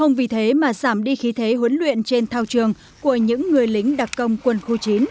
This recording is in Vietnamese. giảm đi khí thế huấn luyện trên thao trường của những người lính đặc công quân khu chín